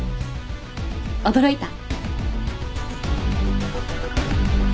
驚いた？